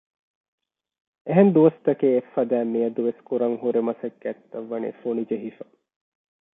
އެހެން ދުވަސް ތަކޭ އެއްފަދައިން މިއަދުވެސް ކުރަންހުރި މަސައްކަތްތައް ވަނީ ފުނި ޖެހިފަ